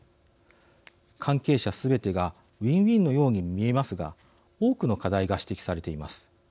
関係者すべてがウィンウィンのように見えますが多くの課題が指摘されています。